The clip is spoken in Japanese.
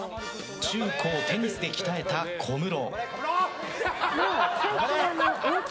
中高、テニスで鍛えた小室。